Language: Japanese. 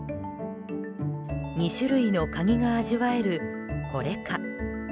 ２種類のカニが味わえるこれか。